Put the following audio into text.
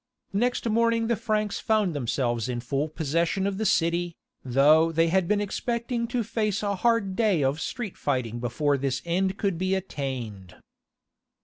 Next morning the Franks found themselves in full possession of the city, though they had been expecting to face a hard day of street fighting before this end could be attained.